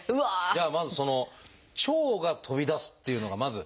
ではまずその腸が飛び出すっていうのがまず